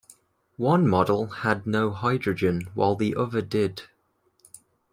One model had no hydrogen while the other did.